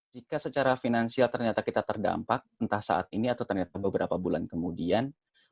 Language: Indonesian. jika secara finansial ternyata kita terdampak entah saat ini atau ternyata beberapa bulan kemudian